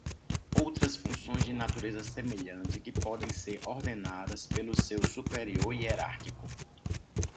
Outras funções de natureza semelhante que podem ser ordenadas pelo seu superior hierárquico.